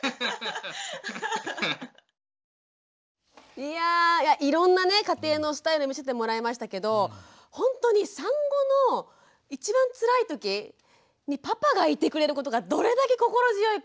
いやいろんなね家庭のスタイルを見せてもらいましたけどほんとに産後の一番つらい時にパパがいてくれることがどれだけ心強いか。